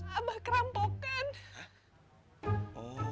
hai apak rampok kan